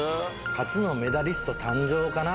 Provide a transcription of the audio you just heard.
「初のメダリスト誕生」かな。